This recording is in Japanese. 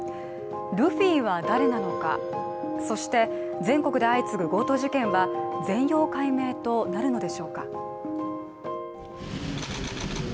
ルフィは誰なのか、そして全国で相次ぐ強盗事件は全容解明となるのでしょうか。